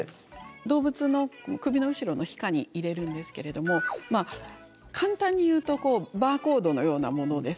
動物の首の後ろの皮下に入れるんですけれども簡単に言うとバーコードのようなものです。